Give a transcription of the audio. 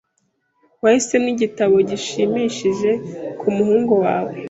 Wahisemo igitabo gishimishije kumuhungu wawe?